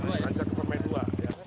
di rancakek permais dua ya